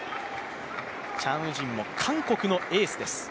チャン・ウジンも韓国のエースです